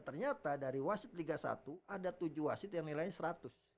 ternyata dari wasit liga satu ada tujuh wasit yang nilainya seratus